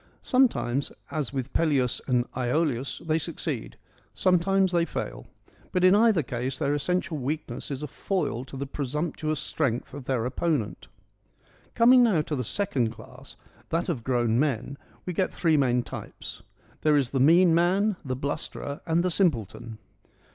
Sometimes, as with Peleus and Iolaus, they succeed ; sometimes they fail ; but in either case their essential weakness is a foil to the presumptuous strength of their opponent. Coming now to the second class, that of grown men, we get three main types : there is the mean man, the blusterer, and the simpleton.